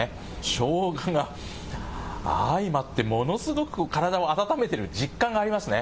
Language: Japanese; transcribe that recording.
しょうがが相まってものすごく体を温めている実感がありますね。